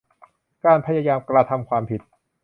การพยายามกระทำความผิด